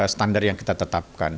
standar yang kita tetapkan